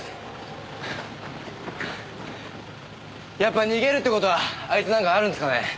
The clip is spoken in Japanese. やっぱ逃げるって事はあいつなんかあるんすかね？